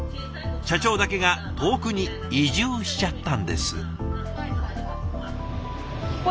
社長だけが遠くに移住しちゃったんです。